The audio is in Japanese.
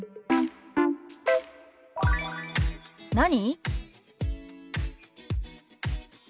「何？」。